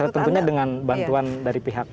tentunya dengan bantuan dari pihak